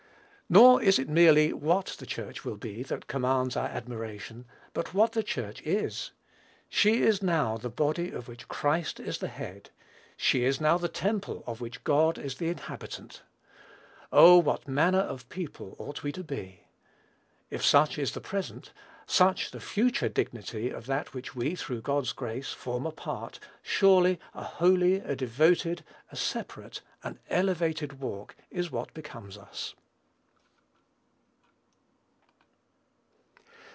Nor is it merely what the church will be that commands our admiration; but what the Church is. She is now the body of which Christ is the Head; she is now the temple of which God is the Inhabitant. Oh, what manner of people ought we to be! If such is the present, such the future dignity of that of which we, through God's grace, form a part, surely a holy, a devoted, a separated, an elevated walk is what becomes us.